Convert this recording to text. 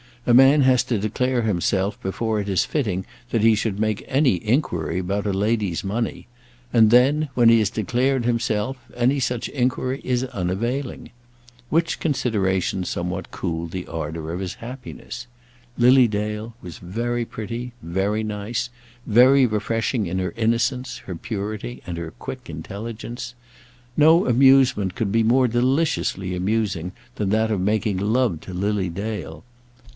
A man has to declare himself before it is fitting that he should make any inquiry about a lady's money; and then, when he has declared himself, any such inquiry is unavailing. Which consideration somewhat cooled the ardour of his happiness. Lily Dale was very pretty, very nice, very refreshing in her innocence, her purity, and her quick intelligence. No amusement could be more deliciously amusing than that of making love to Lily Dale.